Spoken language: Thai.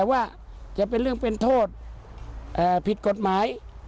เอาเรื่องเป็นโทษผิดกฎหมาย